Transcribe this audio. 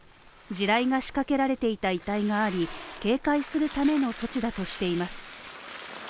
地雷が仕掛けられていた遺体があり警戒するための措置だとしています。